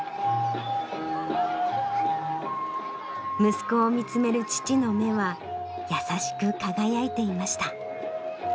息子を見つめる父の目は優しく輝いていました。